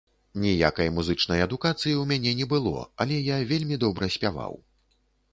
Ніякай музычнай адукацыі ў мяне не было, але я вельмі добра спяваў.